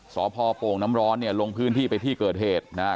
สพโป่งน้ำร้อนเนี่ยลงพื้นที่ไปที่เกิดเหตุนะฮะ